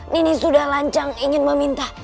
nini sudah lancang ingin meminta